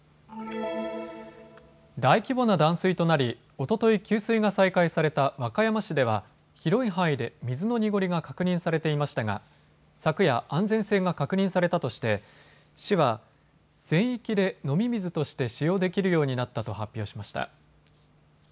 大規模な断水となり、おととい給水が再開された和歌山市では広い範囲で水の濁りが確認されていましたが昨夜、安全性が確認されたとして市は全域で飲み水として使用できるようになったと発表しました。